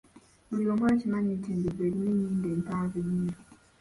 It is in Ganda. Buli 'omu akimanyi nti enjovu erina ennyindo empanvu ennyo.